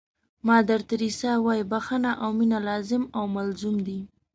مادر تریسیا وایي بښنه او مینه لازم او ملزوم دي.